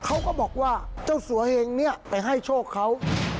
เขาก็บอกว่าเจ้าสัวเหงเนี่ยไปให้โชคเขา